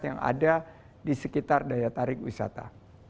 yang ada di sekitar daya tarik wisata